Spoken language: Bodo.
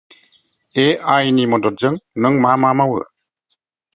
ए आइ नि मददजों नों मा मा मावो?